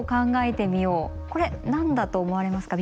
これ何だと思われますか？